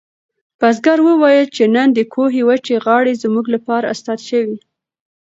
بزګر وویل چې نن د کوهي وچې غاړې زموږ لپاره استاد شوې.